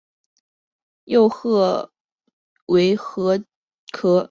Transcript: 幼赫壳蛞蝓为壳蛞蝓科赫壳蛞蝓属的动物。